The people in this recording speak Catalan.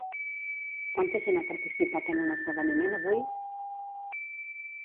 Quanta gent ha participat en un esdeveniment avui?